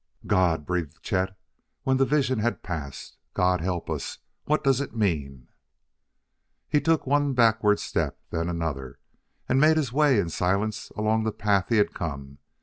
"God!" breathed Chet when the vision had passed. "God help us! What does it mean?" He took one backward step, then another, and made his way in silence along the path he had come.